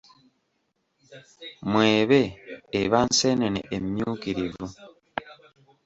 Mwebe eba nseenene emmyukirivu.